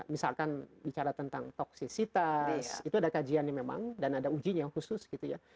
misalkan bicara tentang toksisitas itu ada kajiannya memang dan ada ujinya khusus gitu ya